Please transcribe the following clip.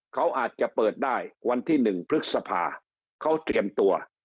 เขาอาจจะเปิดได้วันที่๑พฤษภาเขาเตรียมตัว